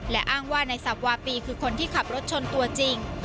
และอ้างว่านายสับวาปีคือคนที่ขับรถชนตัวจริง